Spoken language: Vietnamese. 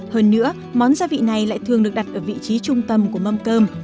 hơn nữa món gia vị này lại thường được đặt ở vị trí trung tâm của mâm cơm